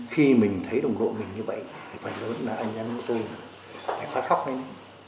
khi mình thấy đồng đội mình như vậy phải lớn là anh em chúng tôi phải phát khóc lên